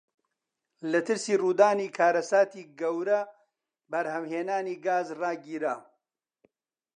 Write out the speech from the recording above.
لە ترسی ڕوودانی کارەساتی گەورە بەرهەمهێنانی گاز ڕاگیرا.